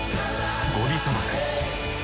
ゴビ砂漠。